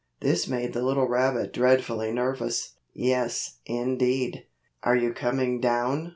This made the little rabbit dreadfully nervous. Yes, indeed. "Are you coming down?"